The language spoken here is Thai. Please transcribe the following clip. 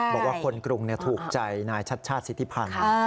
บอกว่าคนกรุงถูกใจนายชัดชาติสิทธิพันธ์